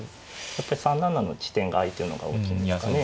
やっぱり３七の地点が空いてるのが大きいんですかね。